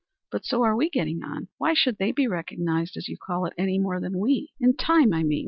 But so are we getting on. Why should they be recognized, as you call it, any more than we? In time, I mean.